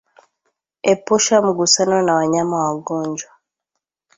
Epusha mgusano na wanyama wagonjwa